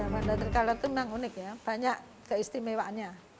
fanda tricolor itu memang unik ya banyak keistimewaannya